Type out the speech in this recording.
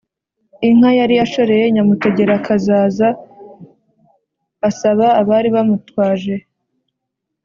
inka yari ashoreye Nyamutegerakazaza asaba abari bamutwaje